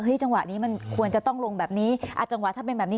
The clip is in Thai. เฮ้ยจังหวะนี้มันควรจะต้องลงแบบนี้อาจารย์ถ้าเป็นแบบนี้